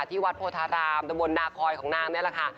ที่วัดโพธารามตะบนนาคอยของนางนี่แหละค่ะ